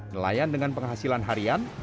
nelayan dengan penghasilan harian